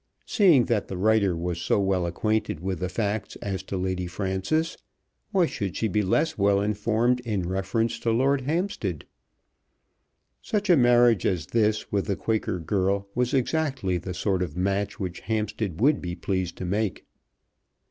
Seeing that the writer was so well acquainted with the facts as to Lady Frances, why should she be less well informed in reference to Lord Hampstead? Such a marriage as this with the Quaker girl was exactly the sort of match which Hampstead would be pleased to make.